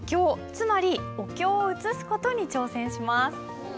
つまりお経を写す事に挑戦します。